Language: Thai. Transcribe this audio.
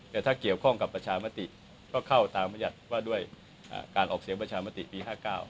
แต่ถ้าเกี่ยวข้องกับประชามติก็เข้าตามมัญญัติว่าด้วยการออกเสียงประชามติปี๕๙